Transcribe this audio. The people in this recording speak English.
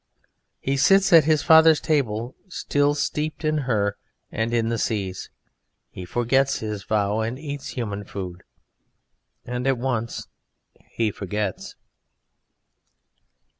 He sits at his father's table, still steeped in her and in the seas. He forgets his vow and eats human food, and at once he forgets.